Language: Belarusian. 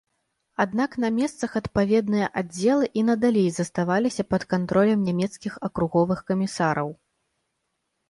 Аднак на месцах адпаведныя аддзелы і надалей заставаліся пад кантролем нямецкіх акруговых камісараў.